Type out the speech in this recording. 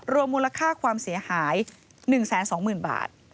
มูลค่าความเสียหาย๑๒๐๐๐บาท